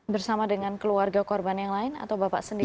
bersama dengan keluarga korban yang lain atau bapak sendiri